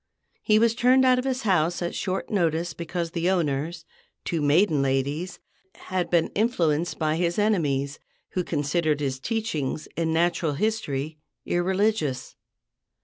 He was turned out of his house at short notice because the owners, two maiden ladies, had been influenced by his enemies, who considered his teachings in natural history irreligious.